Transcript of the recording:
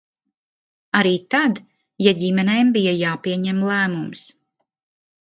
Arī tad, ja ģimenēm bija jāpieņem lēmums.